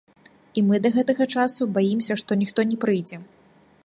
І мы да гэтага часу баімся, што ніхто не прыйдзе.